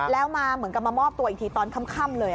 แล้วมาเหมือนกับมามอบตัวอีกทีตอนค่ำเลย